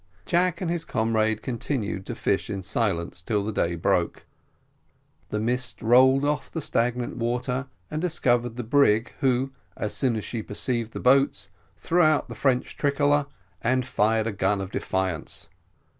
Jack and his comrade continued to fish in silence till the day broke. The mist rolled off the stagnant water, and discovered the brig, who, as soon as she perceived the boats, threw out the French tricolour and fired a gun of defiance.